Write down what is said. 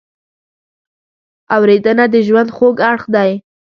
اورېدنه د ژوند خوږ اړخ دی.